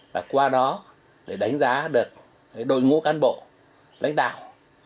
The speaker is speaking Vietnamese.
và qua đó để đánh giá được đội ngũ cán bộ lãnh đạo